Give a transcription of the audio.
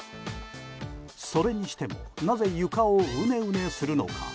それにしてもなぜ床をウネウネするのか。